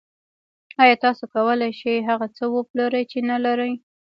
آیا تاسو کولی شئ هغه څه وپلورئ چې نلرئ